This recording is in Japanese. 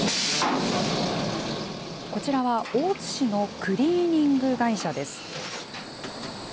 こちらは大津市のクリーニング会社です。